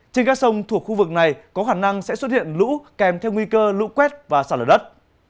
trên các sông thuộc khu vực này có khả năng sẽ xuất hiện lũ kèm theo nguy cơ lũ quét và sạt lở đất